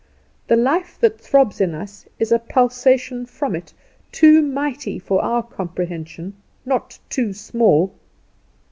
The life that throbs in us is a pulsation from it; too mighty for our comprehension, not too small.